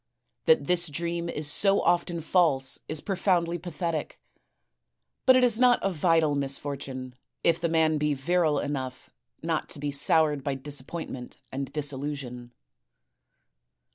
That this dream is so often false is profoundly pathetic; but it is not a vital misfortune if the man be virile enough not to be soured by disappointment and disillusion.